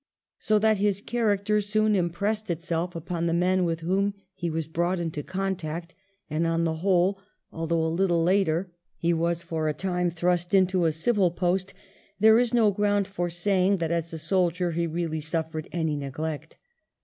So that his character soon impressed itself upon the men with whom he was brought into contact, and, on the whole, although a Uttle later 86 WELLINGTON chap. he was for a time thrust into a civil post, there is no ground for saying that as a soldier he really suffered any neglect.